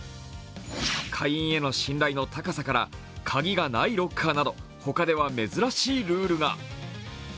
会員への信頼の高さから、鍵がないロッカーなど、他では珍しいルールが。